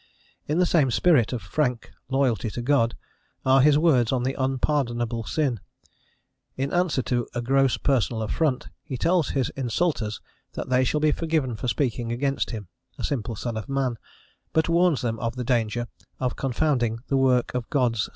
In the same spirit of frank loyalty to God are his words on the unpardonable sin: in answer to a gross personal affront, he tells his insulters that they shall be forgiven for speaking against him, a simple son of man, but warns them of the danger of confounding the work of God's.